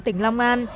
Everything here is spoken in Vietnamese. tỉnh long an